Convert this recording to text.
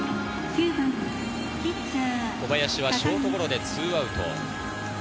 小林はショートゴロで２アウト。